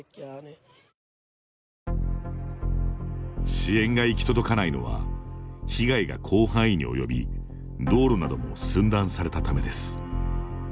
支援が行き届かないのは被害が広範囲に及び道路なども寸断されたためです。